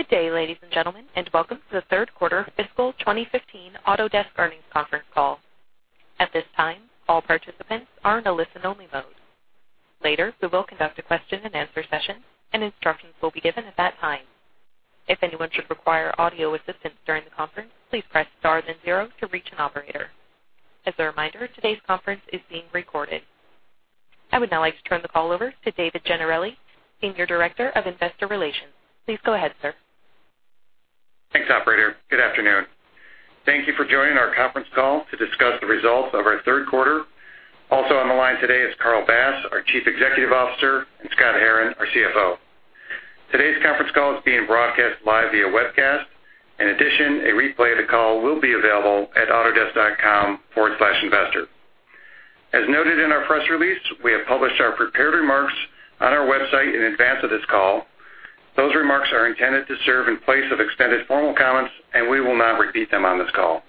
Good day, ladies and gentlemen, and welcome to the third quarter fiscal 2015 Autodesk earnings conference call. At this time, all participants are in a listen-only mode. Later, we will conduct a question-and-answer session, and instructions will be given at that time. If anyone should require audio assistance during the conference, please press star then 0 to reach an operator. As a reminder, today's conference is being recorded. I would now like to turn the call over to David Gennarelli, Senior Director of Investor Relations. Please go ahead, sir. Thanks, operator. Good afternoon. Thank you for joining our conference call to discuss the results of our third quarter. Also on the line today is Carl Bass, our Chief Executive Officer, and Scott Herren, our CFO. Today's conference call is being broadcast live via webcast. In addition, a replay of the call will be available at autodesk.com/investor. As noted in our press release, we have published our prepared remarks on our website in advance of this call. Those remarks are intended to serve in place of extended formal comments, and we will not repeat them on this call.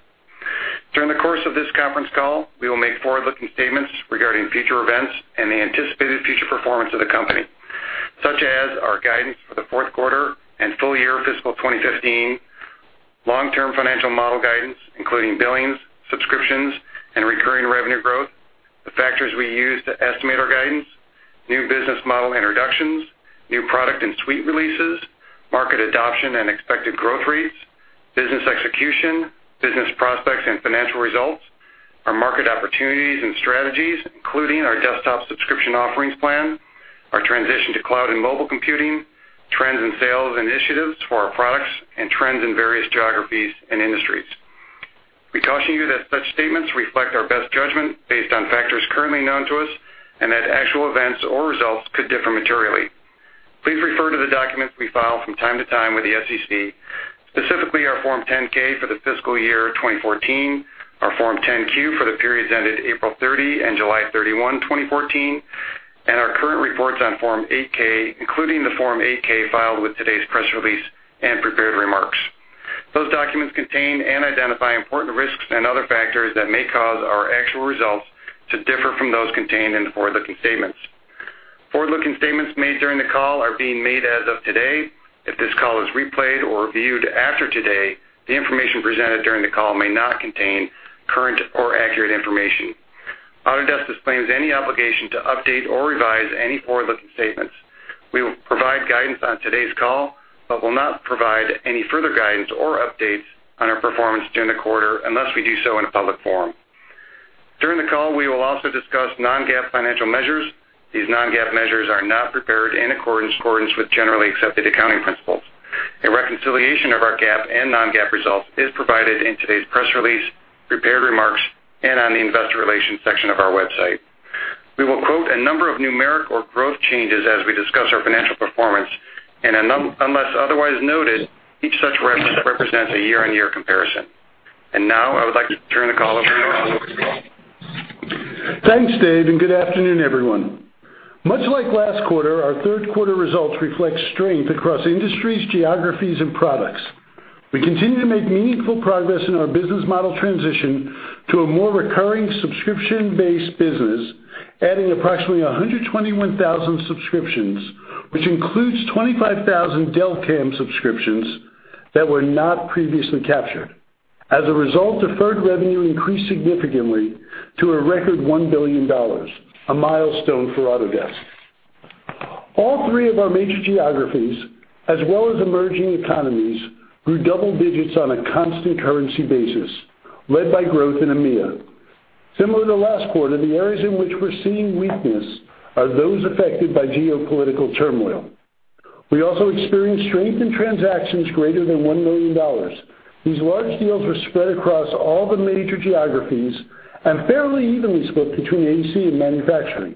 During the course of this conference call, we will make forward-looking statements regarding future events and the anticipated future performance of the company, such as our guidance for the fourth quarter and full year fiscal 2015, long-term financial model guidance, including billings, subscriptions, and recurring revenue growth, the factors we use to estimate our guidance, new business model introductions, new product and suite releases, market adoption and expected growth rates, business execution, business prospects and financial results, our market opportunities and strategies, including our desktop subscription offerings plan, our transition to cloud and mobile computing, trends in sales initiatives for our products, and trends in various geographies and industries. We caution you that such statements reflect our best judgment based on factors currently known to us, and that actual events or results could differ materially. Please refer to the documents we file from time to time with the SEC, specifically our Form 10-K for the fiscal year 2014, our Form 10-Q for the periods ended April 30 and July 31, 2014, and our current reports on Form 8-K, including the Form 8-K filed with today's press release and prepared remarks. Those documents contain and identify important risks and other factors that may cause our actual results to differ from those contained in the forward-looking statements. Forward-looking statements made during the call are being made as of today. If this call is replayed or viewed after today, the information presented during the call may not contain current or accurate information. Autodesk disclaims any obligation to update or revise any forward-looking statements. We will provide guidance on today's call but will not provide any further guidance or updates on our performance during the quarter unless we do so in a public forum. During the call, we will also discuss non-GAAP financial measures. These non-GAAP measures are not prepared in accordance with generally accepted accounting principles. A reconciliation of our GAAP and non-GAAP results is provided in today's press release, prepared remarks, and on the investor relations section of our website. We will quote a number of numeric or growth changes as we discuss our financial performance, unless otherwise noted, each such reference represents a year-on-year comparison. Now, I would like to turn the call over to Carl Bass. Thanks, Dave, and good afternoon, everyone. Much like last quarter, our third quarter results reflect strength across industries, geographies, and products. We continue to make meaningful progress in our business model transition to a more recurring subscription-based business, adding approximately 121,000 subscriptions, which includes 25,000 Delcam subscriptions that were not previously captured. As a result, deferred revenue increased significantly to a record $1 billion, a milestone for Autodesk. All three of our major geographies, as well as emerging economies, grew double digits on a constant currency basis, led by growth in EMEA. Similar to last quarter, the areas in which we're seeing weakness are those affected by geopolitical turmoil. We also experienced strength in transactions greater than $1 million. These large deals were spread across all the major geographies and fairly evenly split between AEC and manufacturing.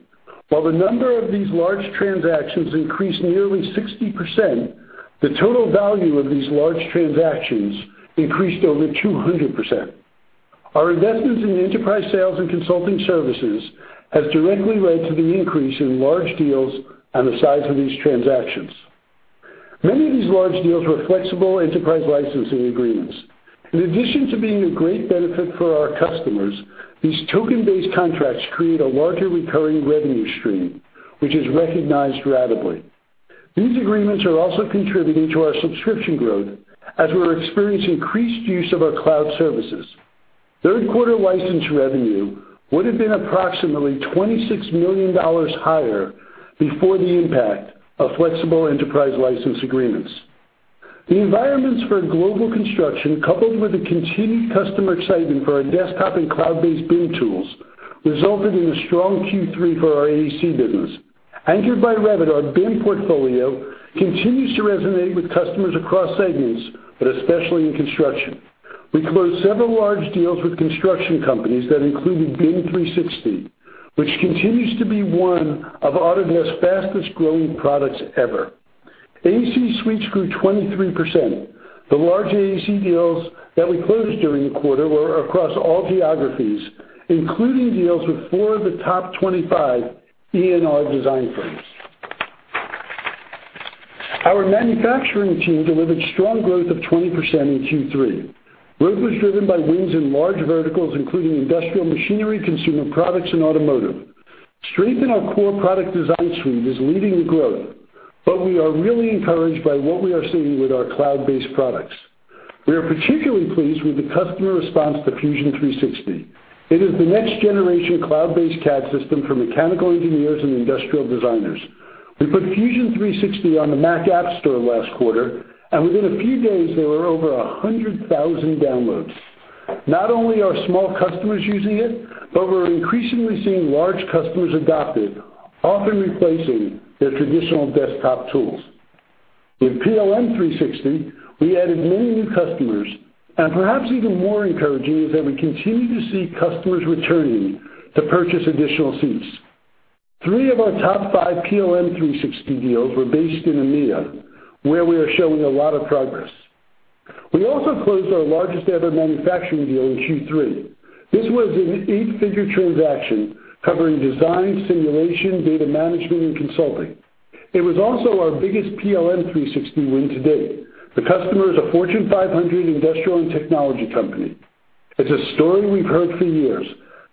While the number of these large transactions increased nearly 60%, the total value of these large transactions increased over 200%. Our investments in enterprise sales and consulting services has directly led to the increase in large deals and the size of these transactions. Many of these large deals were flexible enterprise licensing agreements. In addition to being a great benefit for our customers, these token-based contracts create a larger recurring revenue stream, which is recognized ratably. These agreements are also contributing to our subscription growth as we're experiencing increased use of our cloud services. Third quarter license revenue would have been approximately $26 million higher before the impact of flexible enterprise license agreements. The environments for global construction, coupled with the continued customer excitement for our desktop and cloud-based BIM tools, resulted in a strong Q3 for our AEC business. Anchored by Revit, our BIM portfolio continues to resonate with customers across segments, but especially in construction. We closed several large deals with construction companies that included BIM 360, which continues to be one of Autodesk's fastest-growing products ever. AEC suites grew 23%. The large AEC deals that we closed during the quarter were across all geographies, including deals with four of the top 25 ENR design firms. Our manufacturing team delivered strong growth of 20% in Q3. Growth was driven by wins in large verticals, including industrial machinery, consumer products, and automotive. Strength in our core product design suite is leading the growth, but we are really encouraged by what we are seeing with our cloud-based products. We are particularly pleased with the customer response to Fusion 360. It is the next-generation cloud-based CAD system for mechanical engineers and industrial designers. We put Fusion 360 on the Mac App Store last quarter. Within a few days there were over 100,000 downloads. Not only are small customers using it, but we're increasingly seeing large customers adopt it, often replacing their traditional desktop tools. With PLM 360, we added many new customers. Perhaps even more encouraging is that we continue to see customers returning to purchase additional seats. Three of our top five PLM 360 deals were based in EMEA, where we are showing a lot of progress. We also closed our largest-ever manufacturing deal in Q3. This was an eight-figure transaction covering design, simulation, data management, and consulting. It was also our biggest PLM 360 win to date. The customer is a Fortune 500 industrial and technology company. It's a story we've heard for years.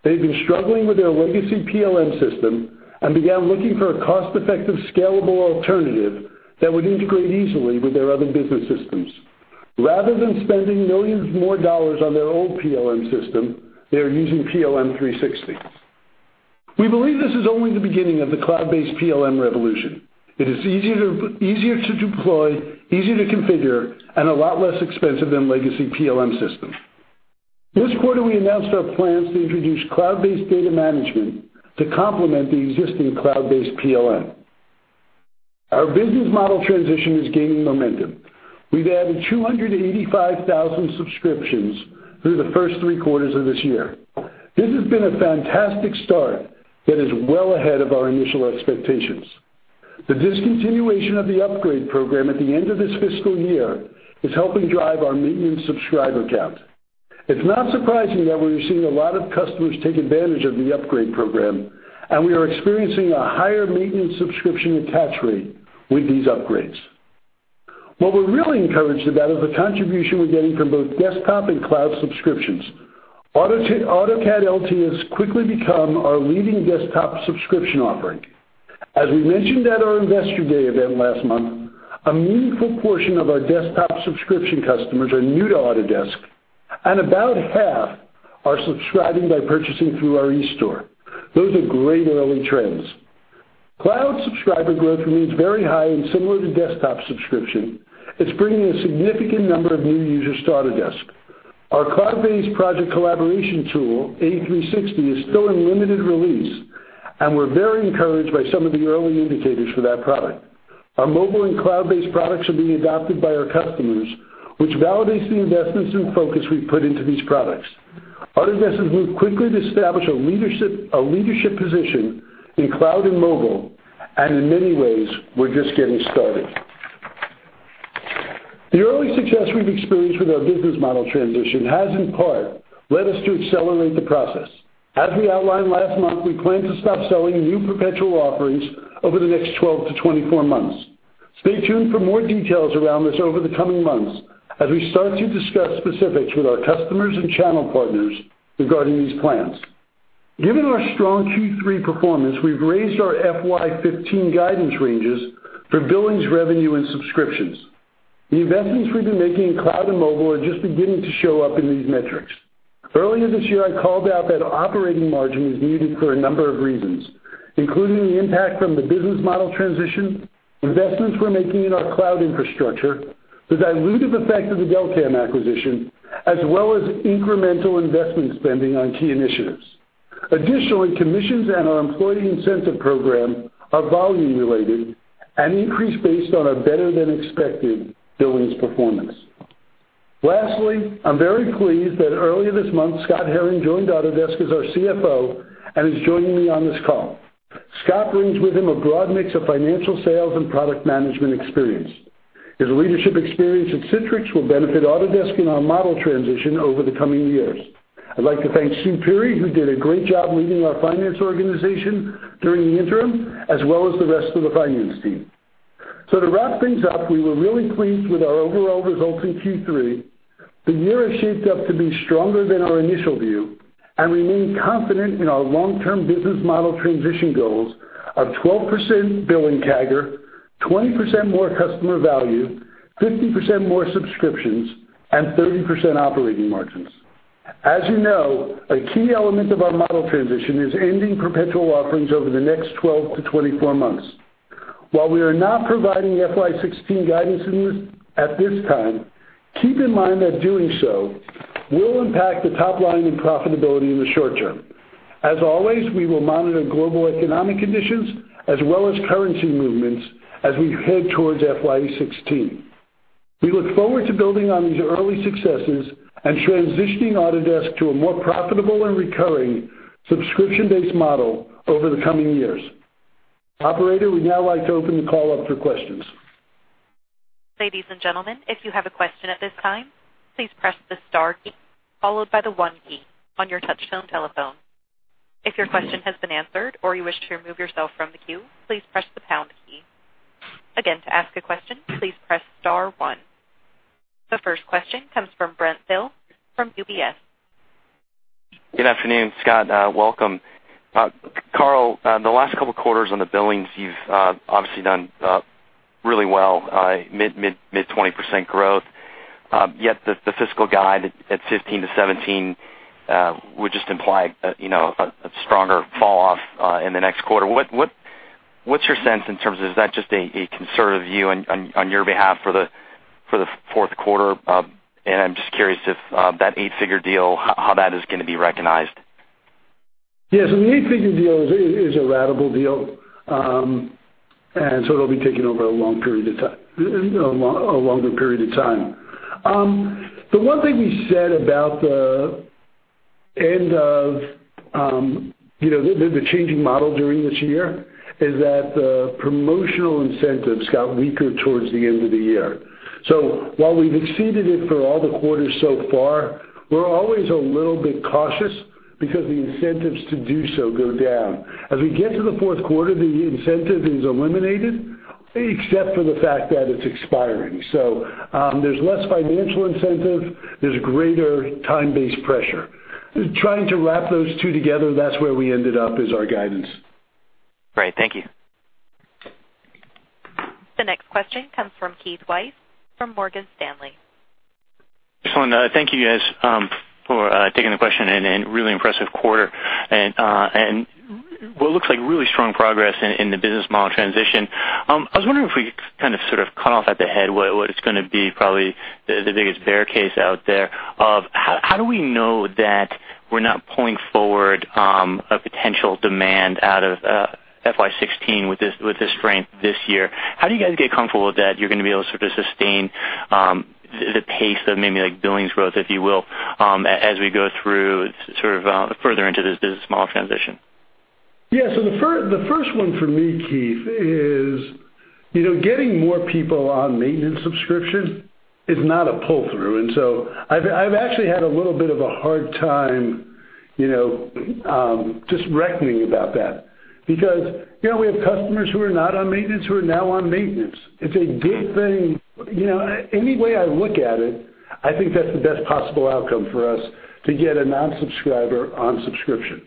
They've been struggling with their legacy PLM system and began looking for a cost-effective, scalable alternative that would integrate easily with their other business systems. Rather than spending $ millions more on their old PLM system, they are using PLM 360. We believe this is only the beginning of the cloud-based PLM revolution. It is easier to deploy, easier to configure, and a lot less expensive than legacy PLM systems. This quarter, we announced our plans to introduce cloud-based data management to complement the existing cloud-based PLM. Our business model transition is gaining momentum. We've added 285,000 subscriptions through the first three quarters of this year. This has been a fantastic start that is well ahead of our initial expectations. The discontinuation of the upgrade program at the end of this fiscal year is helping drive our maintenance subscriber count. It's not surprising that we are seeing a lot of customers take advantage of the upgrade program, and we are experiencing a higher maintenance subscription attach rate with these upgrades. What we're really encouraged about is the contribution we're getting from both desktop and cloud subscriptions. AutoCAD LT has quickly become our leading desktop subscription offering. As we mentioned at our Investor Day event last month, a meaningful portion of our desktop subscription customers are new to Autodesk, and about half are subscribing by purchasing through our eStore. Those are great early trends. Cloud subscriber growth remains very high and similar to desktop subscription. It's bringing a significant number of new users to Autodesk. Our cloud-based project collaboration tool, A360, is still in limited release, and we're very encouraged by some of the early indicators for that product. Our mobile and cloud-based products are being adopted by our customers, which validates the investments and focus we've put into these products. Our investment will quickly establish a leadership position in cloud and mobile, and in many ways, we're just getting started. The early success we've experienced with our business model transition has, in part, led us to accelerate the process. As we outlined last month, we plan to stop selling new perpetual offerings over the next 12-24 months. Stay tuned for more details around this over the coming months, as we start to discuss specifics with our customers and channel partners regarding these plans. Given our strong Q3 performance, we've raised our FY 2015 guidance ranges for billings, revenue, and subscriptions. The investments we've been making in cloud and mobile are just beginning to show up in these metrics. Earlier this year, I called out that operating margin is needed for a number of reasons, including the impact from the business model transition, investments we're making in our cloud infrastructure, the dilutive effect of the Delcam acquisition, as well as incremental investment spending on key initiatives. Additionally, commissions and our employee incentive program are volume-related and increase based on a better-than-expected billings performance. Lastly, I'm very pleased that earlier this month, Scott Herren joined Autodesk as our CFO and is joining me on this call. Scott brings with him a broad mix of financial, sales, and product management experience. His leadership experience at Citrix will benefit Autodesk in our model transition over the coming years. I'd like to thank Sue Peery, who did a great job leading our finance organization during the interim, as well as the rest of the finance team. To wrap things up, we were really pleased with our overall results in Q3. The year is shaped up to be stronger than our initial view, and we remain confident in our long-term business model transition goals of 12% billing CAGR, 20% more customer value, 50% more subscriptions, and 30% operating margins. As you know, a key element of our model transition is ending perpetual offerings over the next 12 to 24 months. While we are not providing FY 2016 guidance at this time, keep in mind that doing so will impact the top line and profitability in the short term. As always, we will monitor global economic conditions as well as currency movements as we head towards FY 2016. We look forward to building on these early successes and transitioning Autodesk to a more profitable and recurring subscription-based model over the coming years. Operator, we'd now like to open the call up for questions. Ladies and gentlemen, if you have a question at this time, please press the star key followed by the one key on your touchtone telephone. If your question has been answered or you wish to remove yourself from the queue, please press the pound key. Again, to ask a question, please press star one. The first question comes from Brent Thill from UBS. Good afternoon, Scott. Welcome. Carl, the last couple of quarters on the billings, you've obviously done really well, mid-20% growth. Yet the fiscal guide at 15%-17% would just imply a stronger fall off in the next quarter. What's your sense in terms of is that just a conservative view on your behalf for the fourth quarter? I'm just curious if that eight-figure deal, how that is going to be recognized. Yes. The eight-figure deal is a ratable deal. It'll be taking over a longer period of time. The one thing we said about the changing model during this year is that the promotional incentives got weaker towards the end of the year. While we've exceeded it for all the quarters so far, we're always a little bit cautious because the incentives to do so go down. As we get to the fourth quarter, the incentive is eliminated, except for the fact that it's expiring. There's less financial incentive, there's greater time-based pressure. Trying to wrap those two together, that's where we ended up is our guidance. Great. Thank you. The next question comes from Keith Weiss from Morgan Stanley. Excellent. Thank you, guys, for taking the question and really impressive quarter and what looks like really strong progress in the business model transition. I was wondering if we could kind of sort of cut off at the head what it's going to be probably the biggest bear case out there of how do we know that we're not pulling forward a potential demand out of FY 2016 with this strength this year? How do you guys get comfortable with that you're going to be able to sort of sustain the pace of maybe like billings growth, if you will, as we go through sort of further into this business model transition? The first one for me, Keith, is getting more people on maintenance subscription is not a pull-through. I've actually had a little bit of a hard time just reckoning about that because we have customers who are not on maintenance who are now on maintenance. It's a good thing. Any way I look at it, I think that's the best possible outcome for us to get a non-subscriber on subscription.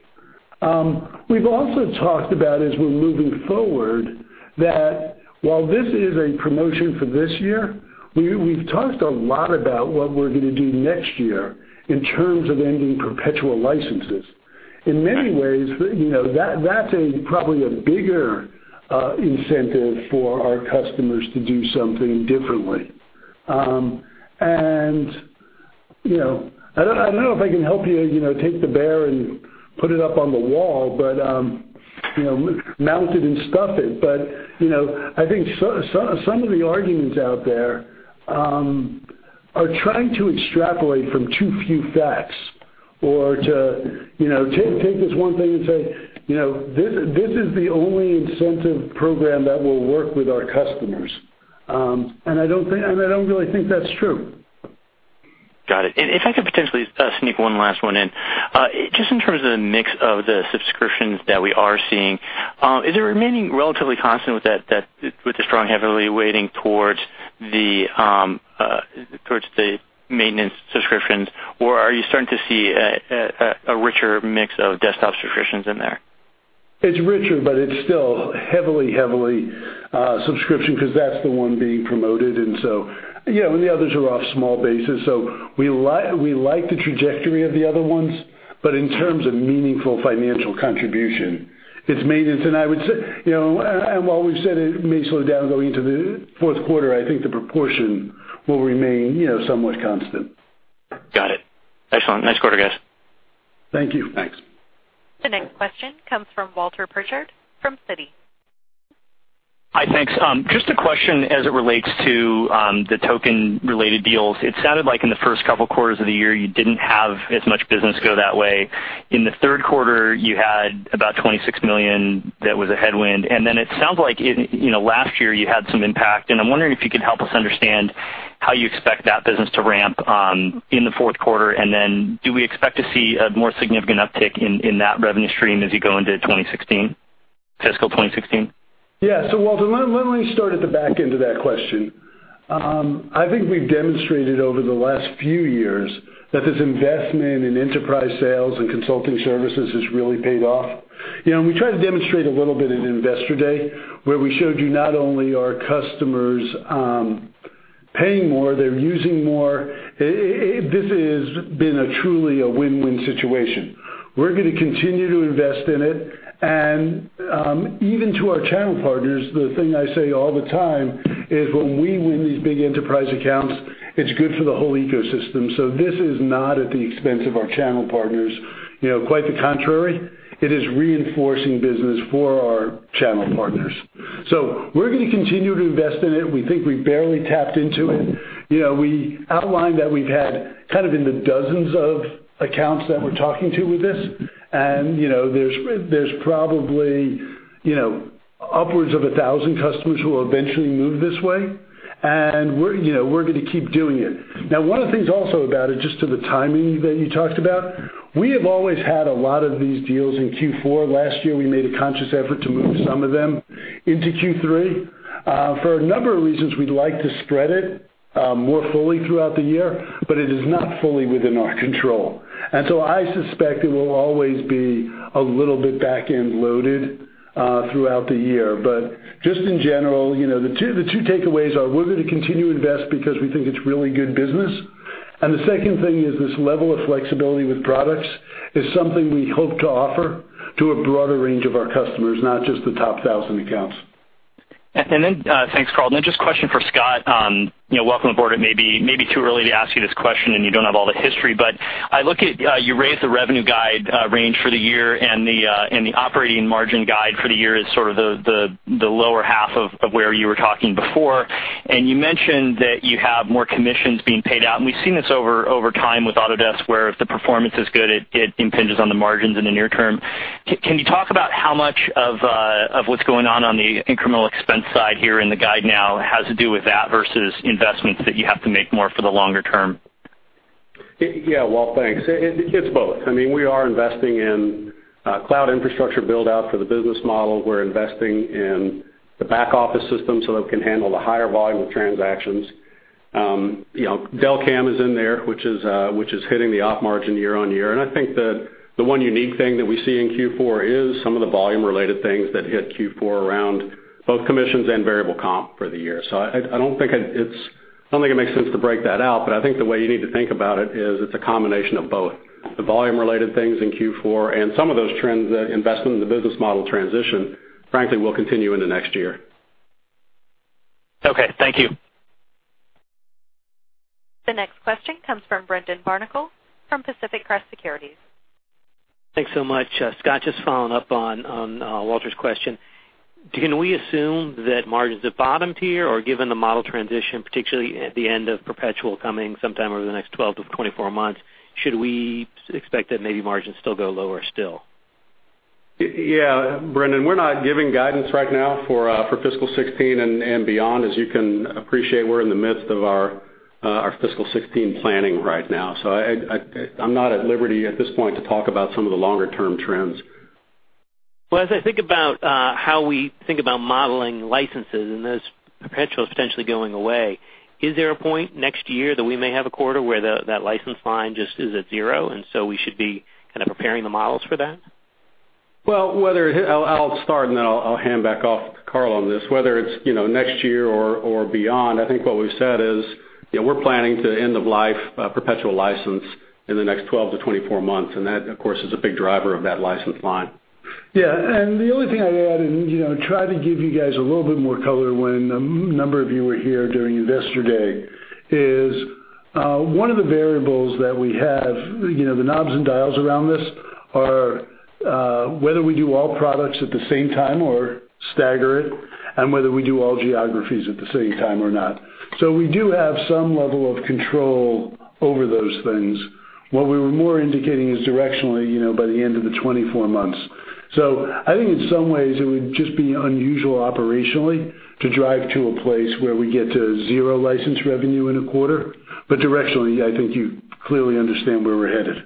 We've also talked about as we're moving forward that while this is a promotion for this year, we've talked a lot about what we're going to do next year in terms of ending perpetual licenses. In many ways, that's probably a bigger incentive for our customers to do something differently. I don't know if I can help you take the bear and put it up on the wall, mount it and stuff it. I think some of the arguments out there are trying to extrapolate from too few facts or to take this one thing and say, "This is the only incentive program that will work with our customers." I don't really think that's true. Got it. If I could potentially sneak one last one in. Just in terms of the mix of the subscriptions that we are seeing, is it remaining relatively constant with the strong heavily weighting towards the maintenance subscriptions or are you starting to see a richer mix of desktop subscriptions in there? It's richer, but it's still heavily subscription because that's the one being promoted. The others are off small bases. We like the trajectory of the other ones. In terms of meaningful financial contribution, it's maintenance. While we've said it may slow down going into the fourth quarter, I think the proportion will remain somewhat constant. Got it. Excellent. Nice quarter, guys. Thank you. Thanks. The next question comes from Walter Pritchard from Citi. Hi, thanks. Just a question as it relates to the token-related deals. It sounded like in the first couple quarters of the year, you didn't have as much business go that way. In the third quarter, you had about $26 million that was a headwind, and then it sounds like last year you had some impact, and I'm wondering if you could help us understand how you expect that business to ramp in the fourth quarter, and then do we expect to see a more significant uptick in that revenue stream as you go into fiscal 2016? Yeah. Walter, let me start at the back end of that question. I think we've demonstrated over the last few years that this investment in enterprise sales and consulting services has really paid off. We tried to demonstrate a little bit at Investor Day where we showed you not only are customers paying more, they're using more. This has been truly a win-win situation. We're going to continue to invest in it, and even to our channel partners, the thing I say all the time is when we win these big enterprise accounts, it's good for the whole ecosystem. This is not at the expense of our channel partners. Quite the contrary, it is reinforcing business for our channel partners. We're going to continue to invest in it. We think we've barely tapped into it. We outlined that we've had kind of in the dozens of accounts that we're talking to with this, and there's probably upwards of 1,000 customers who will eventually move this way. We're going to keep doing it. Now, one of the things also about it, just to the timing that you talked about, we have always had a lot of these deals in Q4. Last year, we made a conscious effort to move some of them into Q3. For a number of reasons, we'd like to spread it more fully throughout the year, but it is not fully within our control. I suspect it will always be a little bit back-end loaded throughout the year. Just in general, the two takeaways are we're going to continue to invest because we think it's really good business. The second thing is this level of flexibility with products is something we hope to offer to a broader range of our customers, not just the top 1,000 accounts. Thanks, Carl. Just a question for Scott. Welcome aboard. It may be too early to ask you this question, you don't have all the history, you raised the revenue guide range for the year, and the operating margin guide for the year is sort of the lower half of where you were talking before. You mentioned that you have more commissions being paid out, and we've seen this over time with Autodesk, where if the performance is good, it impinges on the margins in the near term. Can you talk about how much of what's going on the incremental expense side here in the guide now has to do with that versus investments that you have to make more for the longer term? Walt, thanks. It's both. We are investing in cloud infrastructure build-out for the business model. We're investing in the back office system so that we can handle the higher volume of transactions. Delcam is in there, which is hitting the op margin year-over-year. I think that the one unique thing that we see in Q4 is some of the volume-related things that hit Q4 around both commissions and variable comp for the year. I don't think it makes sense to break that out, I think the way you need to think about it is it's a combination of both the volume-related things in Q4 and some of those trends, the investment in the business model transition, frankly, will continue into next year. Okay, thank you. The next question comes from Brendan Barnicle from Pacific Crest Securities. Thanks so much. Scott, just following up on Walter's question. Can we assume that margins have bottomed here? Given the model transition, particularly at the end of perpetual coming sometime over the next 12-24 months, should we expect that maybe margins still go lower still? Yeah, Brendan, we're not giving guidance right now for fiscal 2016 and beyond. As you can appreciate, we're in the midst of our fiscal 2016 planning right now. I'm not at liberty at this point to talk about some of the longer-term trends. Well, as I think about how we think about modeling licenses and those perpetuals potentially going away, is there a point next year that we may have a quarter where that license line just is at zero, and so we should be kind of preparing the models for that? Well, I'll start, and then I'll hand back off to Carl on this. Whether it's next year or beyond, I think what we've said is we're planning to end-of-life perpetual license in the next 12-24 months, and that, of course, is a big driver of that license line. The only thing I'd add, and try to give you guys a little bit more color when a number of you were here during Investor Day, is one of the variables that we have, the knobs and dials around this are whether we do all products at the same time or stagger it, and whether we do all geographies at the same time or not. We do have some level of control over those things. What we were more indicating is directionally, by the end of the 24 months. I think in some ways it would just be unusual operationally to drive to a place where we get to zero license revenue in a quarter. Directionally, I think you clearly understand where we're headed.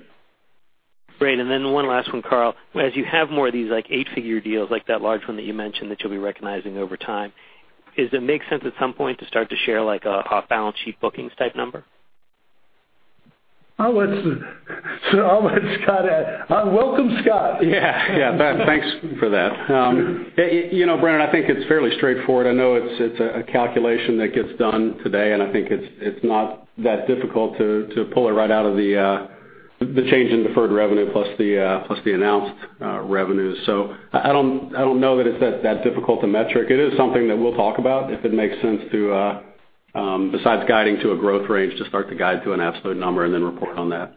Great. One last one, Carl. As you have more of these eight-figure deals like that large one that you mentioned that you'll be recognizing over time, does it make sense at some point to start to share like a off-balance sheet bookings type number? I'll let Scott add. Welcome, Scott. Thanks for that. Brendan, I think it's fairly straightforward. I know it's a calculation that gets done today, and I think it's not that difficult to pull it right out of the change in deferred revenue plus the announced revenues. I don't know that it's that difficult to metric. It is something that we'll talk about if it makes sense to, besides guiding to a growth range, to start to guide to an absolute number and then report on that.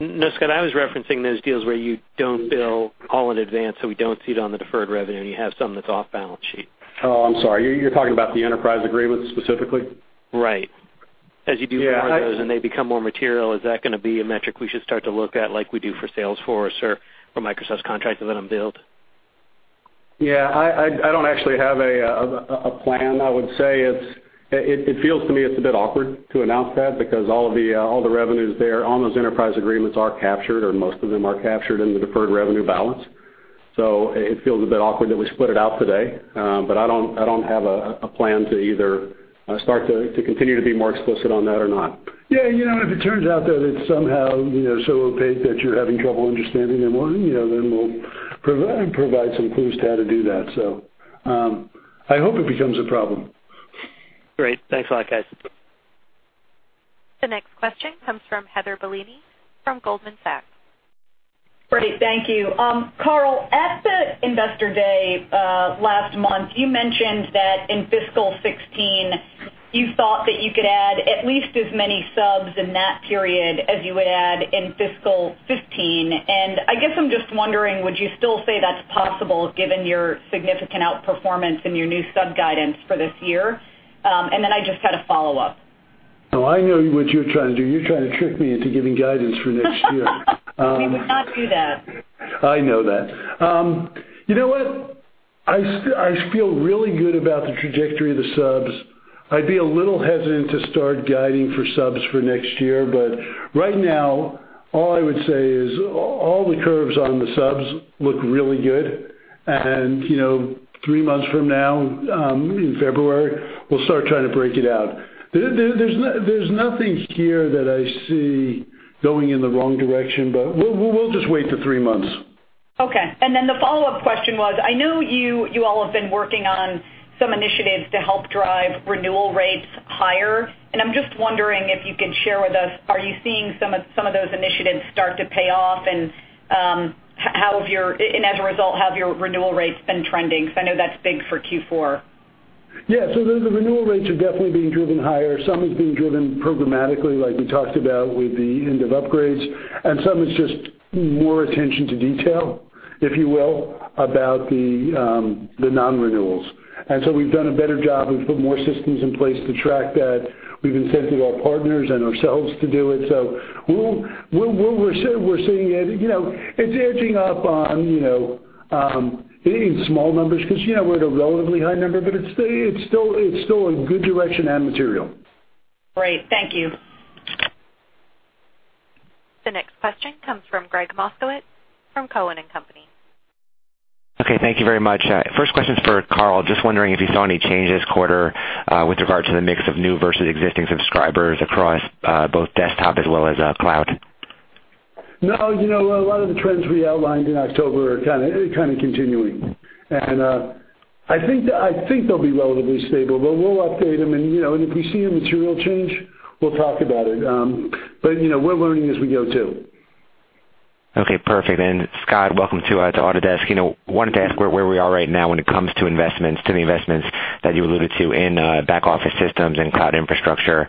No, Scott, I was referencing those deals where you don't bill all in advance. We don't see it on the deferred revenue, and you have some that's off balance sheet. I'm sorry. You're talking about the enterprise agreements specifically? Right. As you do more of those and they become more material, is that going to be a metric we should start to look at like we do for Salesforce or for Microsoft's contracts that aren't billed? Yeah, I don't actually have a plan. I would say it feels to me it's a bit awkward to announce that because all the revenues there on those enterprise agreements are captured, or most of them are captured in the deferred revenue balance. It feels a bit awkward that we split it out today. I don't have a plan to either start to continue to be more explicit on that or not. Yeah. If it turns out that it's somehow so opaque that you're having trouble understanding them, then we'll provide some clues to how to do that. I hope it becomes a problem. Great. Thanks a lot, guys. The next question comes from Heather Bellini from Goldman Sachs. Great. Thank you. Carl, at the Investor Day last month, you mentioned that in fiscal 2016, you thought that you could add at least as many subs in that period as you would add in fiscal 2015. I guess I'm just wondering, would you still say that's possible given your significant outperformance and your new sub guidance for this year? I just had a follow-up. Oh, I know what you're trying to do. You're trying to trick me into giving guidance for next year. We would not do that. I know that. You know what? I feel really good about the trajectory of the subs. I'd be a little hesitant to start guiding for subs for next year, right now, all I would say is all the curves on the subs look really good. Three months from now, in February, we'll start trying to break it out. There's nothing here that I see going in the wrong direction, we'll just wait for three months. Okay. The follow-up question was, I know you all have been working on some initiatives to help drive renewal rates higher, I'm just wondering if you could share with us, are you seeing some of those initiatives start to pay off, as a result, have your renewal rates been trending? I know that's big for Q4. Yeah. The renewal rates are definitely being driven higher. Some is being driven programmatically, like we talked about with the end of upgrades, and some is just more attention to detail, if you will, about the non-renewals. We've done a better job. We've put more systems in place to track that. We've incentivized partners and ourselves to do it. We're seeing it. It's edging up in small numbers because we're at a relatively high number, but it's still a good direction and material. Great. Thank you. The next question comes from Gregg Moskowitz from Cowen and Company. Okay. Thank you very much. First question is for Carl. Just wondering if you saw any changes quarter with regard to the mix of new versus existing subscribers across both desktop as well as cloud. No, a lot of the trends we outlined in October are kind of continuing. I think they'll be relatively stable, but we'll update them. If we see a material change, we'll talk about it. We're learning as we go too. Okay, perfect. Scott, welcome to Autodesk. Wanted to ask where we are right now when it comes to the investments that you alluded to in back-office systems and cloud infrastructure.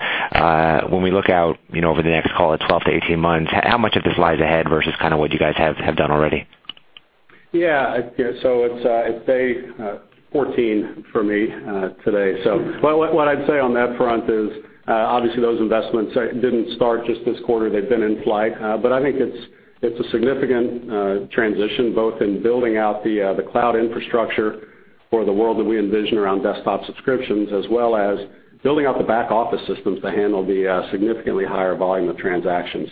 When we look out over the next, call it 12 to 18 months, how much of this lies ahead versus what you guys have done already? Yeah. It's day 14 for me today. What I'd say on that front is, obviously those investments didn't start just this quarter. They've been in flight. I think it's a significant transition, both in building out the cloud infrastructure for the world that we envision around desktop subscriptions, as well as building out the back-office systems to handle the significantly higher volume of transactions.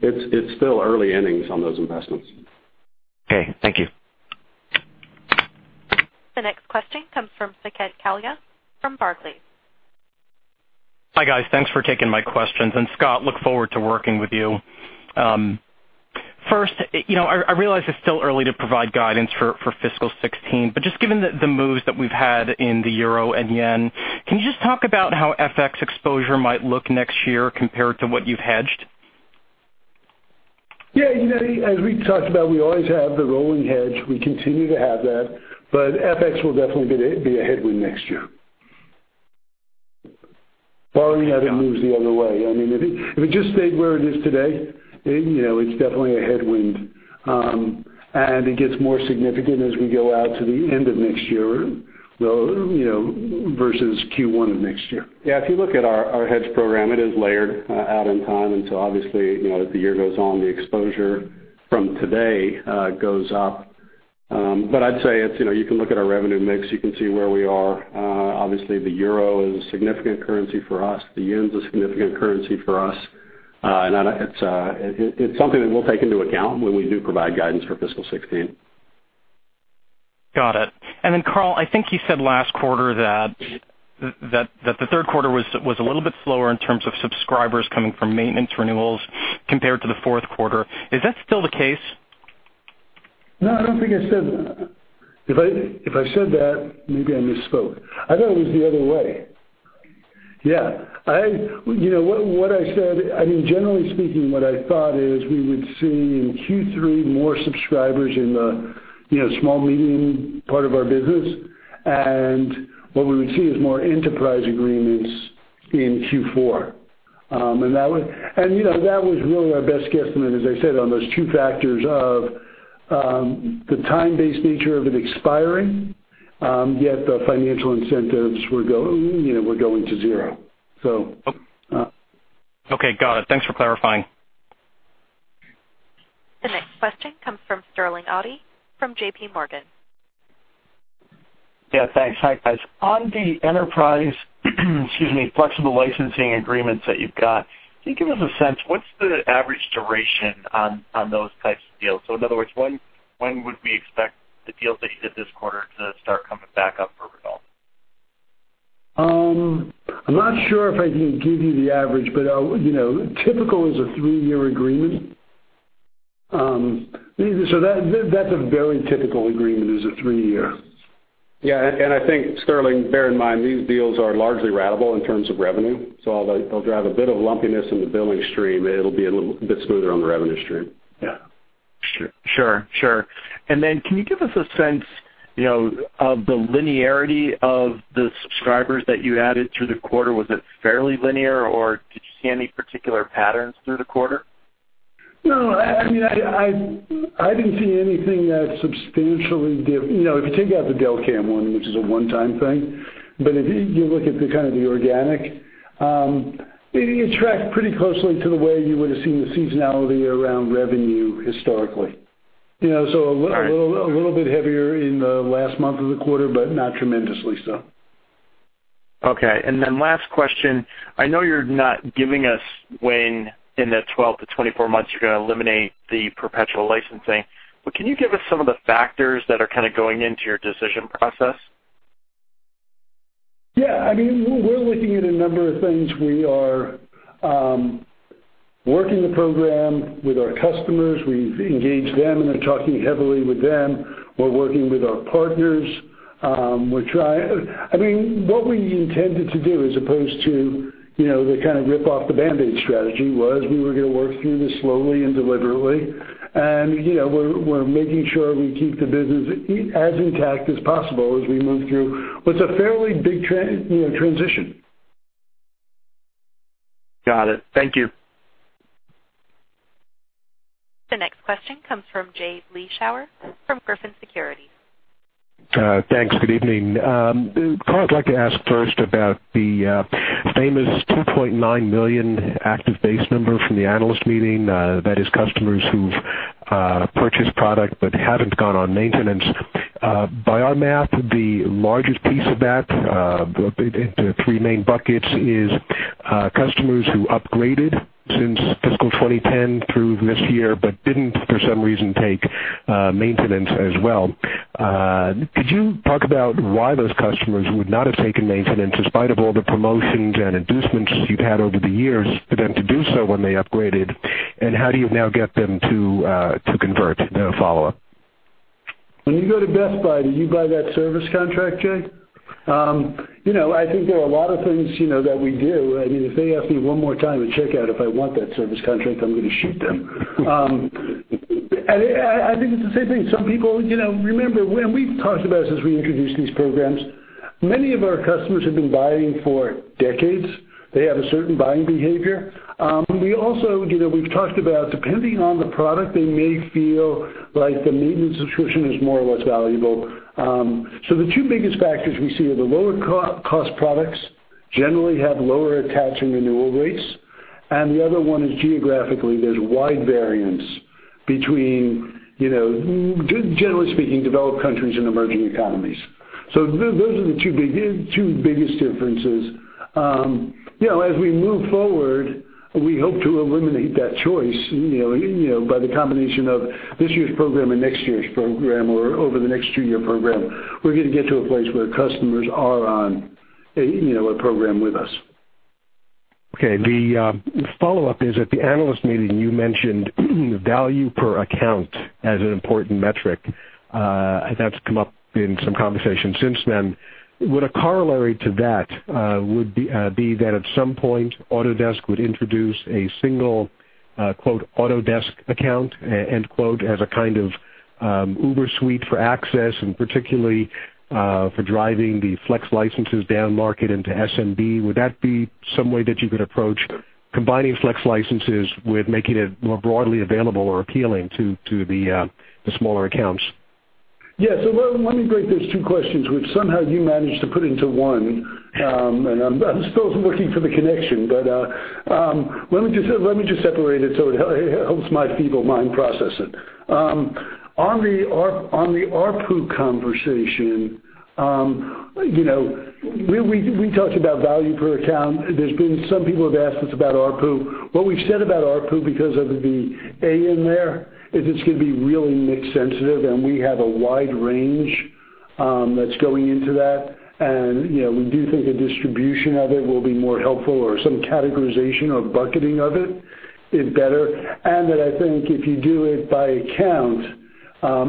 It's still early innings on those investments. Okay, thank you. The next question comes from Saket Kalia from Barclays. Hi, guys. Thanks for taking my questions. Scott, look forward to working with you. First, I realize it's still early to provide guidance for fiscal 2016, just given the moves that we've had in the euro and yen, can you just talk about how FX exposure might look next year compared to what you've hedged? Yeah. As we talked about, we always have the rolling hedge. We continue to have that, FX will definitely be a headwind next year. Barring that it moves the other way. If it just stayed where it is today, it's definitely a headwind, and it gets more significant as we go out to the end of next year versus Q1 of next year. Yeah, if you look at our hedge program, it is layered out in time, obviously, as the year goes on, the exposure from today goes up. I'd say you can look at our revenue mix, you can see where we are. Obviously, the euro is a significant currency for us. The yen's a significant currency for us. It's something that we'll take into account when we do provide guidance for fiscal 2016. Got it. Carl, I think you said last quarter that the third quarter was a little bit slower in terms of subscribers coming from maintenance renewals compared to the fourth quarter. Is that still the case? No, I don't think I said that. If I said that, maybe I misspoke. I thought it was the other way. Yeah. What I said, generally speaking, what I thought is we would see in Q3 more subscribers in the small, medium part of our business, and what we would see is more enterprise agreements in Q4. That was really our best guesstimate, as I said, on those two factors of the time-based nature of it expiring, yet the financial incentives were going to zero. Okay, got it. Thanks for clarifying. The next question comes from Sterling Auty from JP Morgan. thanks. Hi, guys. On the enterprise flexible licensing agreements that you've got, can you give us a sense, what's the average duration on those types of deals? In other words, when would we expect the deals that you did this quarter to start coming back up for renewal? I'm not sure if I can give you the average, but typical is a three-year agreement. That's a very typical agreement, is a three-year. I think, Sterling, bear in mind, these deals are largely ratable in terms of revenue. They'll drive a bit of lumpiness in the billing stream, it'll be a little bit smoother on the revenue stream. Yeah. Sure. Can you give us a sense of the linearity of the subscribers that you added through the quarter? Was it fairly linear, or did you see any particular patterns through the quarter? No, I didn't see anything that substantially. If you take out the Delcam one, which is a one-time thing, but if you look at the organic, it tracked pretty closely to the way you would've seen the seasonality around revenue historically. A little bit heavier in the last month of the quarter, but not tremendously so. Okay, last question. I know you're not giving us when in that 12-24 months you're going to eliminate the perpetual licensing, but can you give us some of the factors that are going into your decision process? Yeah. We're looking at a number of things. We are working the program with our customers. We've engaged them, and are talking heavily with them. We're working with our partners. What we intended to do, as opposed to the rip-off-the-Band-Aid strategy, was we were going to work through this slowly and deliberately. We're making sure we keep the business as intact as possible as we move through what's a fairly big transition. Got it. Thank you. The next question comes from Jay Vleeschhouwer from Griffin Securities. Thanks. Good evening. Carl, I'd like to ask first about the famous 2.9 million active base number from the analyst meeting. That is customers who've purchased product but haven't gone on maintenance. By our math, the largest piece of that, the three main buckets, is customers who upgraded since fiscal 2010 through this year, but didn't, for some reason, take maintenance as well. Could you talk about why those customers would not have taken maintenance, in spite of all the promotions and inducements you've had over the years for them to do so when they upgraded, and how do you now get them to convert? Follow-up. When you go to Best Buy, do you buy that service contract, Jay? I think there are a lot of things that we do. If they ask me one more time at checkout if I want that service contract, I'm going to shoot them. I think it's the same thing. Remember, when we've talked about it since we introduced these programs, many of our customers have been buying for decades. They have a certain buying behavior. We've talked about, depending on the product, they may feel like the maintenance subscription is more or less valuable. The two biggest factors we see are the lower-cost products generally have lower attach and renewal rates. The other one is geographically, there's wide variance between, generally speaking, developed countries and emerging economies. Those are the two biggest differences. As we move forward, we hope to eliminate that choice by the combination of this year's program and next year's program or over the next two-year program. We're going to get to a place where customers are on a program with us. Okay. The follow-up is, at the analyst meeting, you mentioned value per account as an important metric. That's come up in some conversations since then. Would a corollary to that be that at some point Autodesk would introduce a single "Autodesk account" as a kind of uber suite for access, and particularly for driving the flex licenses down market into SMB? Would that be some way that you could approach combining flex licenses with making it more broadly available or appealing to the smaller accounts? Yeah. Let me break those two questions, which somehow you managed to put into one. I'm still looking for the connection. Let me just separate it so it helps my feeble mind process it. On the ARPU conversation, we talked about value per account. Some people have asked us about ARPU. What we've said about ARPU, because of the A in there, is it's going to be really mix sensitive, and we have a wide range that's going into that. We do think a distribution of it will be more helpful or some categorization or bucketing of it is better. That I think if you do it by account,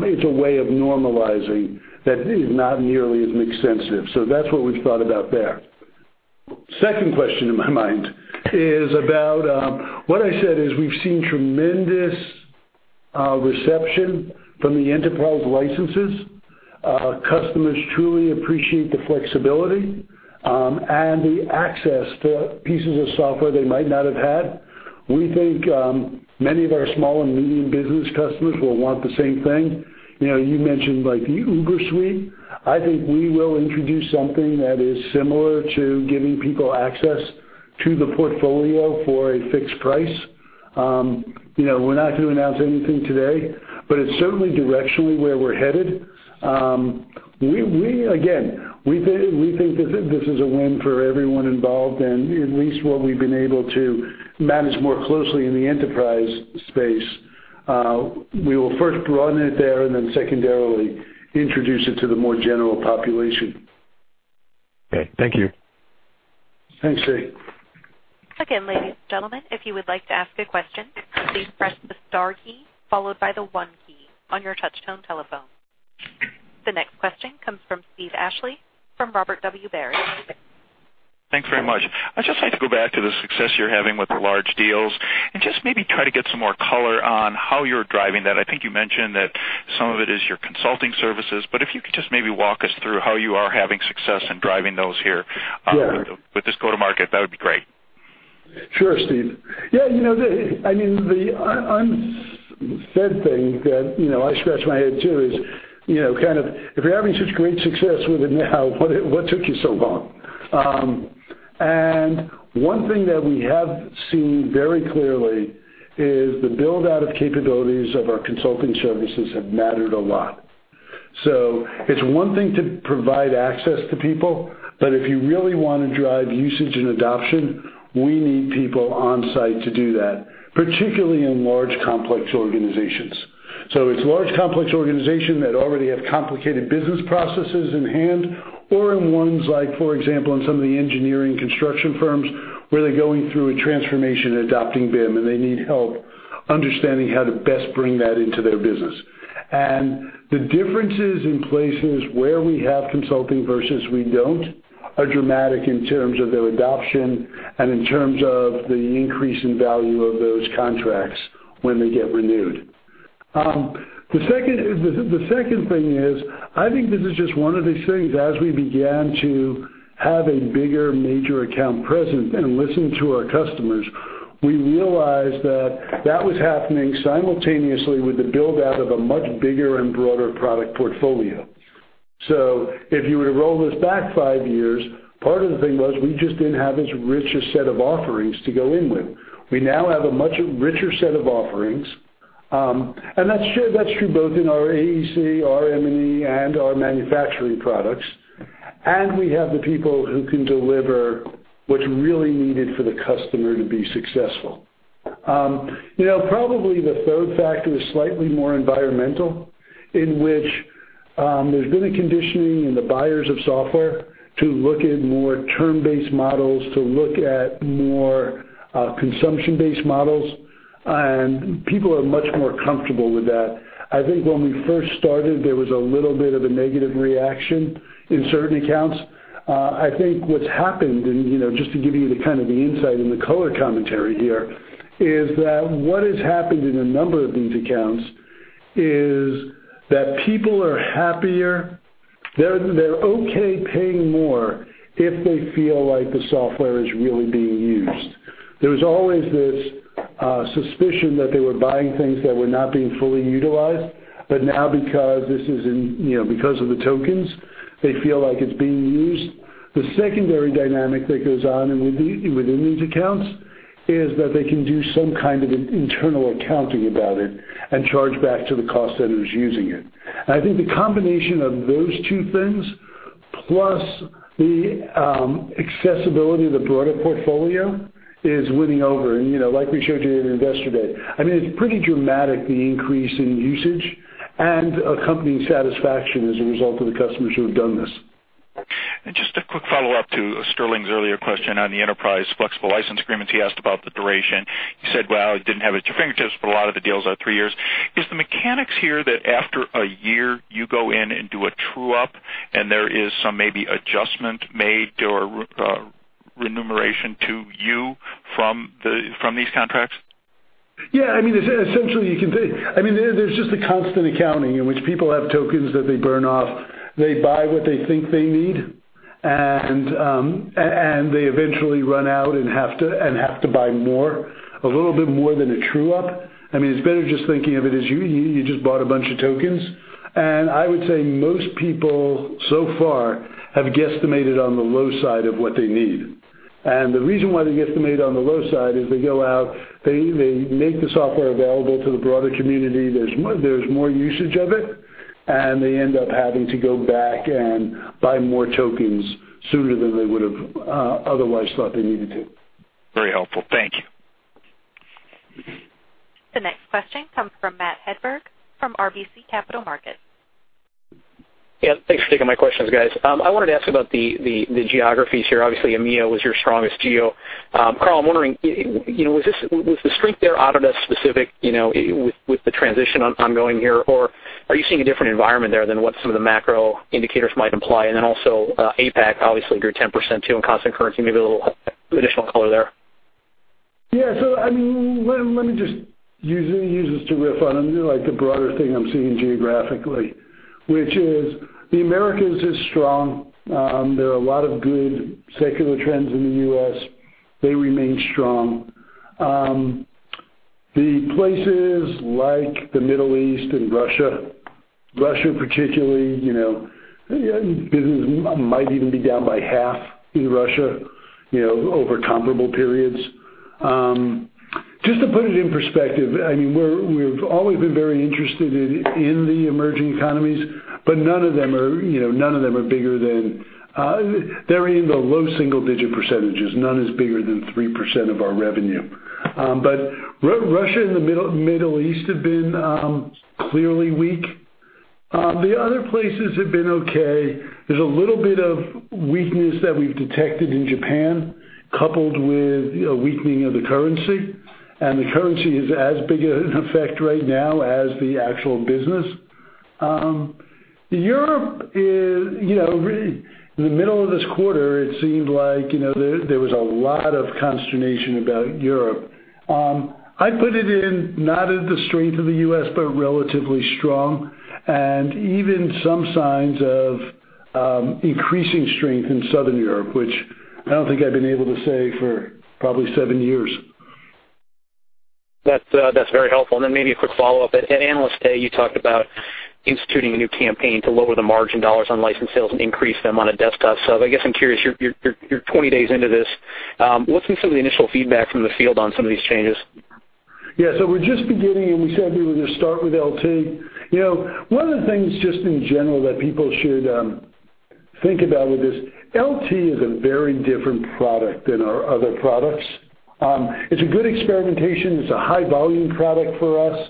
it's a way of normalizing that is not nearly as mix sensitive. That's what we've thought about there. Second question in my mind is about what I said is we've seen tremendous reception from the enterprise licenses. Customers truly appreciate the flexibility and the access to pieces of software they might not have had. We think many of our small and medium business customers will want the same thing. You mentioned the uber suite. I think we will introduce something that is similar to giving people access to the portfolio for a fixed price. We're not going to announce anything today, but it's certainly directionally where we're headed. Again, we think that this is a win for everyone involved, and at least what we've been able to manage more closely in the enterprise space. We will first run it there, and then secondarily introduce it to the more general population. Okay. Thank you. Thanks, Jay. Again, ladies and gentlemen, if you would like to ask a question, please press the star key followed by the one key on your touchtone telephone. The next question comes from Steve Ashley from Robert W. Baird. Thanks very much. I'd just like to go back to the success you're having with the large deals and just maybe try to get some more color on how you're driving that. I think you mentioned that some of it is your consulting services, but if you could just maybe walk us through how you are having success in driving those here- Yeah with this go-to-market, that would be great. Sure, Steve. The unsaid thing that I scratch my head too is, if you're having such great success with it now, what took you so long? One thing that we have seen very clearly is the build-out of capabilities of our consulting services have mattered a lot. It's one thing to provide access to people, but if you really want to drive usage and adoption, we need people on-site to do that, particularly in large, complex organizations. It's large, complex organizations that already have complicated business processes in hand or in ones like, for example, in some of the engineering construction firms, where they're going through a transformation adopting BIM, and they need help understanding how to best bring that into their business. The differences in places where we have consulting versus we don't, are dramatic in terms of their adoption and in terms of the increase in value of those contracts when they get renewed. The second thing is, I think this is just one of these things, as we began to have a bigger major account presence and listen to our customers, we realized that that was happening simultaneously with the build-out of a much bigger and broader product portfolio. If you were to roll this back five years, part of the thing was we just didn't have as rich a set of offerings to go in with. We now have a much richer set of offerings. That's true both in our AEC, our M&E, and our manufacturing products. We have the people who can deliver what's really needed for the customer to be successful. Probably the third factor is slightly more environmental, in which there's been a conditioning in the buyers of software to look at more term-based models, to look at more consumption-based models, and people are much more comfortable with that. I think when we first started, there was a little bit of a negative reaction in certain accounts. I think what's happened, and just to give you the insight and the color commentary here, is that what has happened in a number of these accounts is that people are happier. They're okay paying more if they feel like the software is really being used. There's always this suspicion that they were buying things that were not being fully utilized. Now, because of the tokens, they feel like it's being used. The secondary dynamic that goes on within these accounts is that they can do some internal accounting about it and charge back to the cost centers using it. I think the combination of those two things, plus the accessibility of the broader portfolio, is winning over. Like we showed you in Investor Day, it's pretty dramatic, the increase in usage and accompanying satisfaction as a result of the customers who have done this. Just a quick follow-up to Sterling's earlier question on the enterprise flexible license agreements. He asked about the duration. You said, well, I didn't have it at your fingertips, but a lot of the deals are three years. Is the mechanics here that after a year, you go in and do a true-up and there is some maybe adjustment made or remuneration to you from these contracts? Yeah. There's just a constant accounting in which people have tokens that they burn off. They buy what they think they need, and they eventually run out and have to buy more, a little bit more than a true-up. It's better just thinking of it as you just bought a bunch of tokens. I would say most people, so far, have guesstimated on the low side of what they need. The reason why they guesstimate on the low side is they go out, they make the software available to the broader community, there's more usage of it, and they end up having to go back and buy more tokens sooner than they would've otherwise thought they needed to. Very helpful. Thank you. The next question comes from Matthew Hedberg from RBC Capital Markets. Thanks for taking my questions, guys. EMEA was your strongest geo. Carl Bass, I'm wondering, was the strength there Autodesk specific, with the transition ongoing here? Are you seeing a different environment there than what some of the macro indicators might imply? Also, APAC grew 10% too in constant currency. Maybe a little additional color there. Let me just use this to riff on the broader thing I'm seeing geographically, which is the Americas is strong. There are a lot of good secular trends in the U.S. They remain strong. The places like the Middle East and Russia particularly, business might even be down by half in Russia over comparable periods. Just to put it in perspective, we've always been very interested in the emerging economies, but none of them are bigger than They're in the low single-digit percentages. None is bigger than 3% of our revenue. Russia and the Middle East have been clearly weak. The other places have been okay. There's a little bit of weakness that we've detected in Japan, coupled with a weakening of the currency, and the currency is as big an effect right now as the actual business. Europe is, in the middle of this quarter, it seemed like there was a lot of consternation about Europe. I put it in not at the strength of the U.S., but relatively strong, and even some signs of increasing strength in Southern Europe, which I don't think I've been able to say for probably seven years. That's very helpful. Maybe a quick follow-up. At Analyst Day, you talked about instituting a new campaign to lower the margin dollars on licensed sales and increase them on a desktop sub. I guess I'm curious, you're 20 days into this, what's been some of the initial feedback from the field on some of these changes? Yeah. We're just beginning, we said we would just start with LT. One of the things just in general that people should think about with this, LT is a very different product than our other products. It's a good experimentation. It's a high-volume product for us.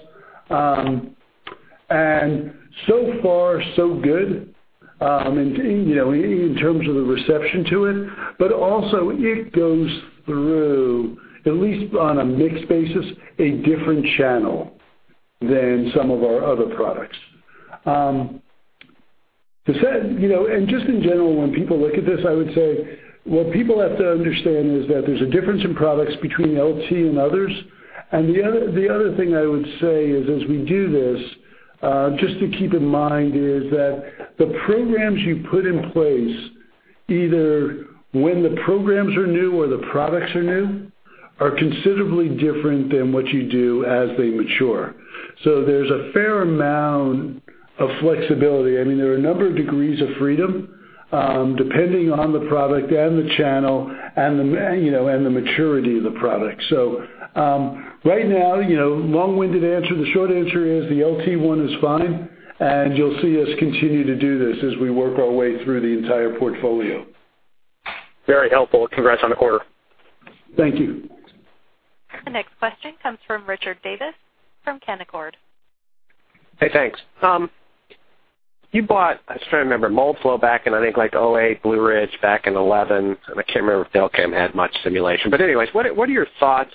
So far so good, in terms of the reception to it, also it goes through, at least on a mixed basis, a different channel than some of our other products. Just in general, when people look at this, I would say what people have to understand is that there's a difference in products between LT and others. The other thing I would say is, as we do this, just to keep in mind, is that the programs you put in place, either when the programs are new or the products are new, are considerably different than what you do as they mature. There's a fair amount of flexibility. There are a number of degrees of freedom, depending on the product and the channel and the maturity of the product. Right now, long-winded answer, the short answer is the LT one is fine, you'll see us continue to do this as we work our way through the entire portfolio. Very helpful. Congrats on the quarter. Thank you. The next question comes from Richard Davis from Canaccord. Hey, thanks. You bought, I was trying to remember, Moldflow back in, I think like 2008, Blue Ridge back in 2011, and I can't remember if Delcam had much simulation. Anyways, what are your thoughts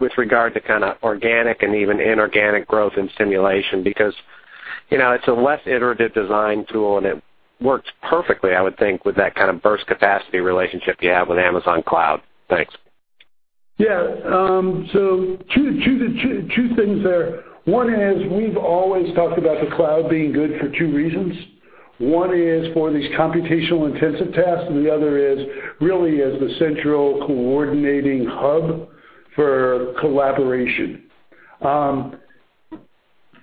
with regard to kind of organic and even inorganic growth in simulation? Because it's a less iterative design tool, and it works perfectly, I would think, with that kind of burst capacity relationship you have with Amazon Cloud. Thanks. Yeah. Two things there. One is we've always talked about the cloud being good for two reasons. One is for these computational-intensive tasks, and the other is really as the central coordinating hub for collaboration.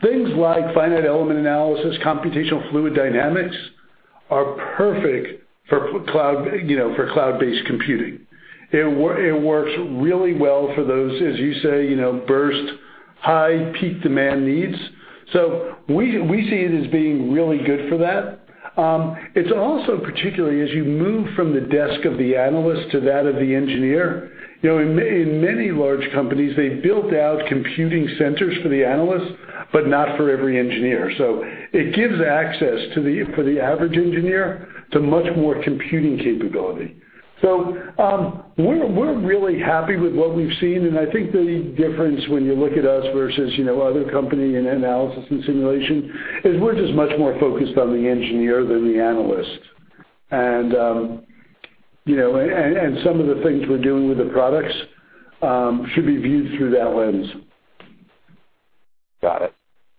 Things like finite element analysis, computational fluid dynamics, are perfect for cloud-based computing. It works really well for those, as you say, burst high peak demand needs. We see it as being really good for that. It's also particularly as you move from the desk of the analyst to that of the engineer. In many large companies, they built out computing centers for the analyst, but not for every engineer. It gives access for the average engineer to much more computing capability. We're really happy with what we've seen, and I think the difference when you look at us versus other company in analysis and simulation is we're just much more focused on the engineer than the analyst. Some of the things we're doing with the products should be viewed through that lens. Got it.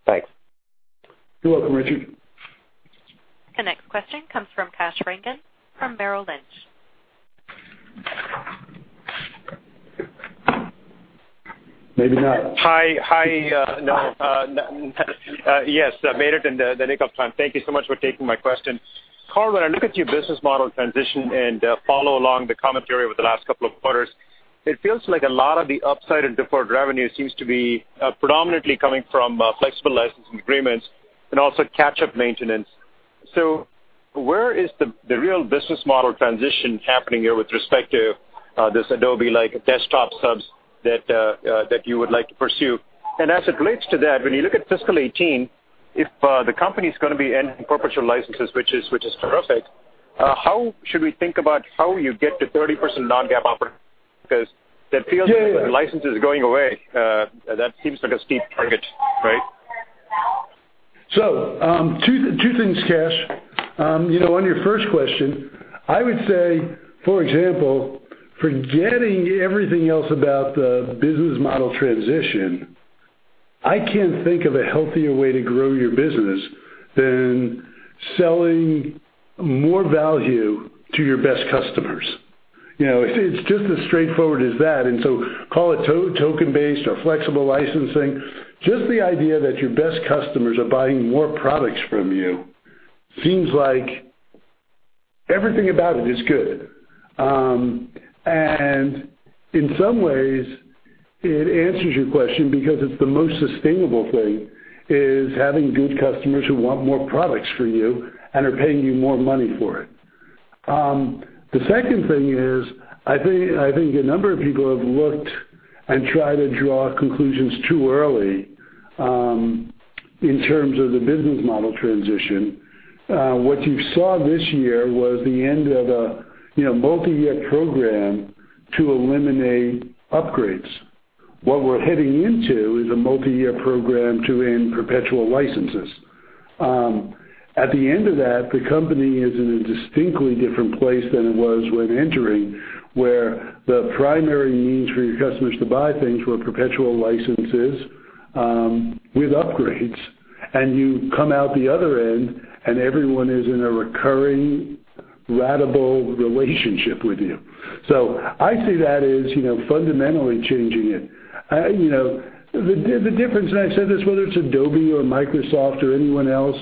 Thanks. You're welcome, Richard. The next question comes from Kash Rangan from Merrill Lynch. Maybe not. Hi. No. Yes, I made it in the nick of time. Thank you so much for taking my question. Carl, when I look at your business model transition and follow along the commentary over the last couple of quarters, it feels like a lot of the upside in deferred revenue seems to be predominantly coming from flexible licensing agreements and also catch-up maintenance. Where is the real business model transition happening here with respect to this Adobe-like desktop subs that you would like to pursue? As it relates to that, when you look at fiscal 2018, if the company's going to be ending perpetual licenses, which is terrific, how should we think about how you get to 30% non-GAAP operating, because that feels like- Yeah licenses going away. That seems like a steep target, right? Two things, Kash. On your first question, I would say, for example, forgetting everything else about the business model transition, I can't think of a healthier way to grow your business than selling more value to your best customers. It's just as straightforward as that. Call it token-based or flexible licensing, just the idea that your best customers are buying more products from you seems like everything about it is good. In some ways it answers your question because it's the most sustainable thing, is having good customers who want more products from you and are paying you more money for it. The second thing is, I think a number of people have looked and tried to draw conclusions too early, in terms of the business model transition. What you saw this year was the end of a multi-year program to eliminate upgrades. What we're heading into is a multi-year program to end perpetual licenses. At the end of that, the company is in a distinctly different place than it was when entering, where the primary means for your customers to buy things were perpetual licenses. With upgrades, and you come out the other end, everyone is in a recurring ratable relationship with you. I see that as fundamentally changing it. The difference, and I said this, whether it's Adobe or Microsoft or anyone else,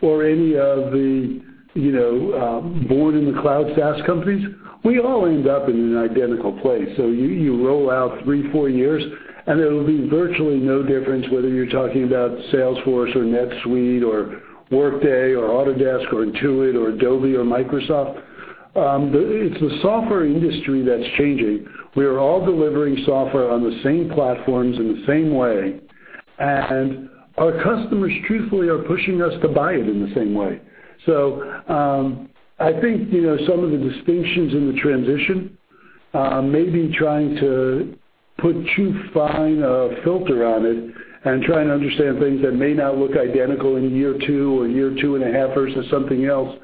or any of the born-in-the-cloud SaaS companies, we all end up in an identical place. You roll out three, four years, and there will be virtually no difference whether you're talking about Salesforce or NetSuite or Workday or Autodesk or Intuit or Adobe or Microsoft. It's the software industry that's changing. We are all delivering software on the same platforms in the same way. Our customers truthfully are pushing us to buy it in the same way. I think some of the distinctions in the transition may be trying to put too fine a filter on it and trying to understand things that may not look identical in year two or year two and a half versus something else.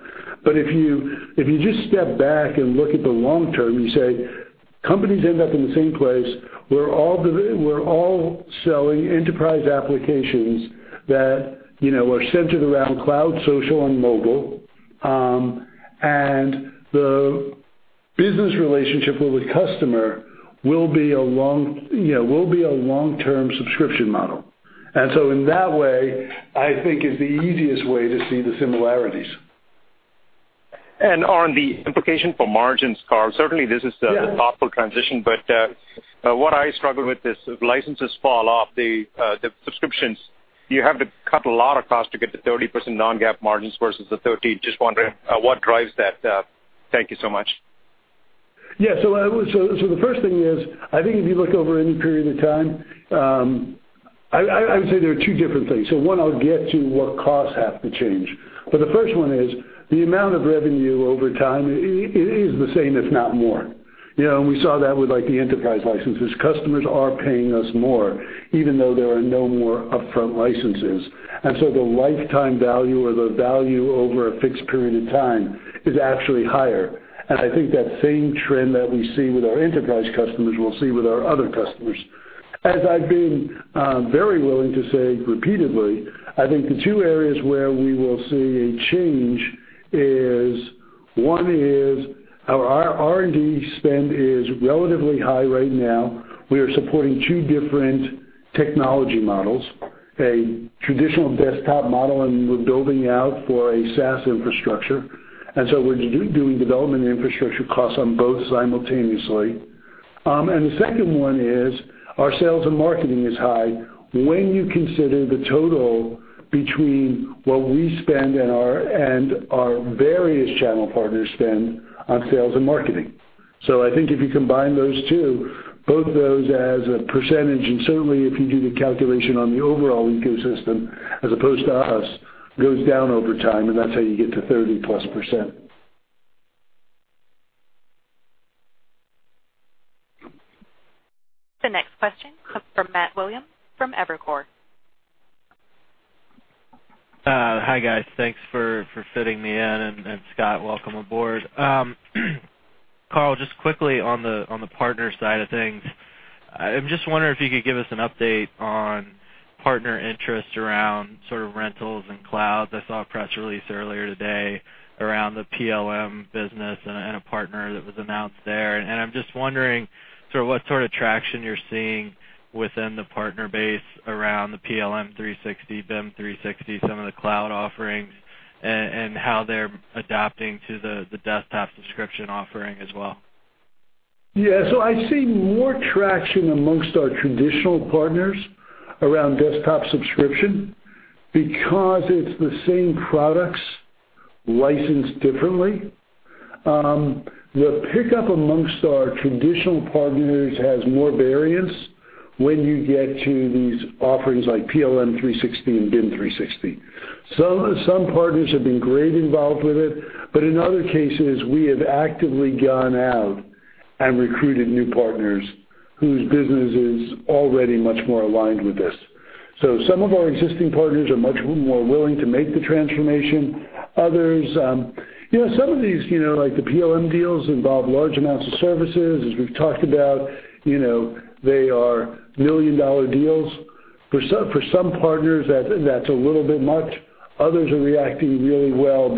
If you just step back and look at the long term, you say companies end up in the same place. We're all selling enterprise applications that are centered around cloud, social, and mobile. The business relationship with the customer will be a long-term subscription model. In that way, I think is the easiest way to see the similarities. On the implication for margins, Carl, certainly this is- Yeah a thoughtful transition, but what I struggle with is if licenses fall off the subscriptions, you have to cut a lot of cost to get the 30% non-GAAP margins versus the 13%. Just wondering what drives that. Thank you so much. The first thing is, I think if you look over any period of time, I would say there are two different things. One, I'll get to what costs have to change. The first one is the amount of revenue over time is the same, if not more. We saw that with the enterprise licenses. Customers are paying us more, even though there are no more upfront licenses. The lifetime value or the value over a fixed period of time is actually higher. I think that same trend that we see with our enterprise customers, we'll see with our other customers. As I've been very willing to say repeatedly, I think the two areas where we will see a change is, one is our R&D spend is relatively high right now. We are supporting two different technology models, a traditional desktop model, and we're building out for a SaaS infrastructure. We're doing development and infrastructure costs on both simultaneously. The second one is our sales and marketing is high when you consider the total between what we spend and our various channel partners spend on sales and marketing. I think if you combine those two, both of those as a percentage, and certainly if you do the calculation on the overall ecosystem as opposed to us, goes down over time, and that's how you get to 30+%. The next question comes from Matt Williams from Evercore. Hi, guys. Thanks for fitting me in. Scott, welcome aboard. Carl, just quickly on the partner side of things, I'm just wondering if you could give us an update on partner interest around rentals and cloud. I saw a press release earlier today around the PLM business and a partner that was announced there. I'm just wondering what sort of traction you're seeing within the partner base around the PLM 360, BIM 360, some of the cloud offerings, and how they're adapting to the desktop subscription offering as well. Yeah. I see more traction amongst our traditional partners around desktop subscription because it's the same products licensed differently. The pickup amongst our traditional partners has more variance when you get to these offerings like PLM 360 and BIM 360. Some partners have been greatly involved with it, but in other cases, we have actively gone out and recruited new partners whose business is already much more aligned with this. Some of our existing partners are much more willing to make the transformation. Some of these, like the PLM deals, involve large amounts of services. As we've talked about, they are million-dollar deals. For some partners, that's a little bit much. Others are reacting really well.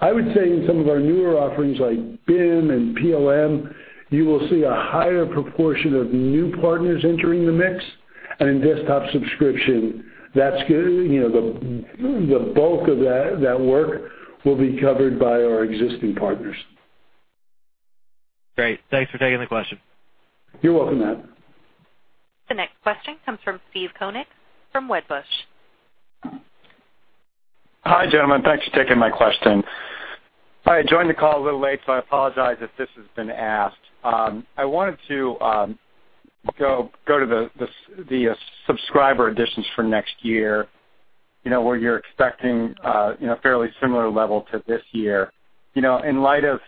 I would say in some of our newer offerings like BIM and PLM, you will see a higher proportion of new partners entering the mix. In desktop subscription, the bulk of that work will be covered by our existing partners. Great. Thanks for taking the question. You're welcome, Matt. The next question comes from Steve Koenig from Wedbush. Hi, gentlemen. Thanks for taking my question. I joined the call a little late, so I apologize if this has been asked. I wanted to go to the subscriber additions for next year, where you're expecting a fairly similar level to this year. In light of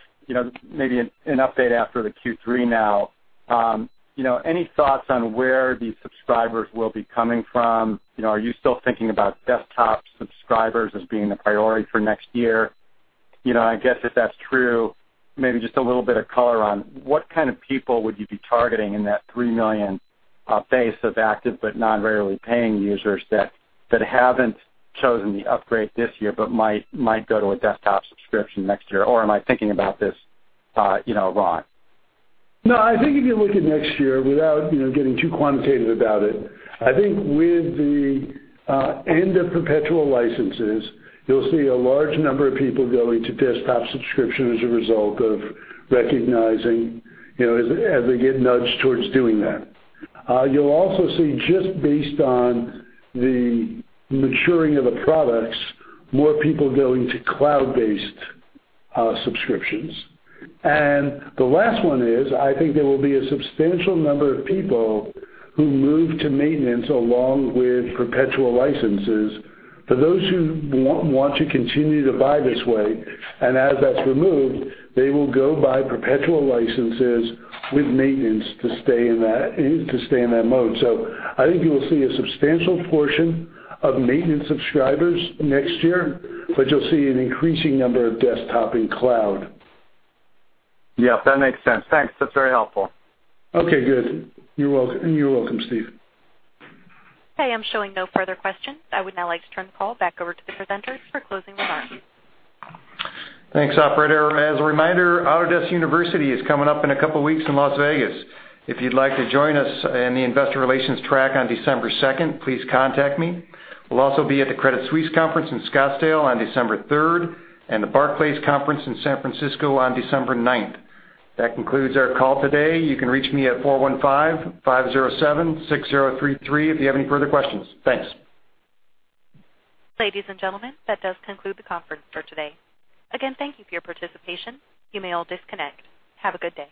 maybe an update after the Q3 now, any thoughts on where these subscribers will be coming from? Are you still thinking about desktop subscribers as being the priority for next year? I guess if that's true, maybe just a little bit of color on what kind of people would you be targeting in that 3 million base of active but non-regularly paying users that haven't chosen the upgrade this year but might go to a desktop subscription next year? Or am I thinking about this wrong? I think if you look at next year, without getting too quantitative about it, I think with the end of perpetual licenses, you'll see a large number of people going to desktop subscription as a result of recognizing as they get nudged towards doing that. You'll also see, just based on the maturing of the products, more people going to cloud-based subscriptions. The last one is, I think there will be a substantial number of people who move to maintenance along with perpetual licenses. For those who want to continue to buy this way, as that's removed, they will go buy perpetual licenses with maintenance to stay in that mode. I think you will see a substantial portion of maintenance subscribers next year, but you'll see an increasing number of desktop and cloud. That makes sense. Thanks. That's very helpful. Good. You're welcome, Steve. Okay, I'm showing no further questions. I would now like to turn the call back over to the presenters for closing remarks. Thanks, operator. As a reminder, Autodesk University is coming up in a couple of weeks in Las Vegas. If you'd like to join us in the investor relations track on December 2nd, please contact me. We'll also be at the Credit Suisse conference in Scottsdale on December 3rd and the Barclays conference in San Francisco on December 9th. That concludes our call today. You can reach me at 415-507-6033 if you have any further questions. Thanks. Ladies and gentlemen, that does conclude the conference for today. Again, thank you for your participation. You may all disconnect. Have a good day.